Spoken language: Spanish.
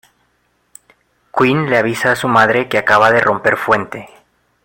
Quinn le avisa a su madre que acaba de romper fuente.